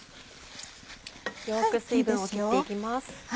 よく水分を切って行きます。